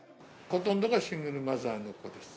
ほとんどがシングルマザーの子です。